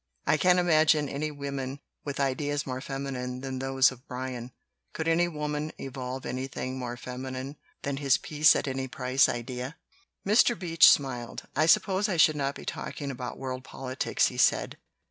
I can't imagine any women with ideas more femi nine than those of Bryan could any woman evolve anything more feminine than his peace at any price idea?'* Mr. Beach smiled. "I suppose I should not be talking about world politics," he said.